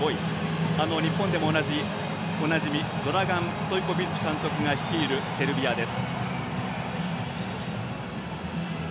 日本でもおなじみドラガン・ストイコビッチ監督が率いるセルビアです。